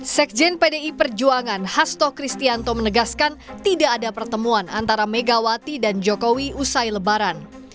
sekjen pdi perjuangan hasto kristianto menegaskan tidak ada pertemuan antara megawati dan jokowi usai lebaran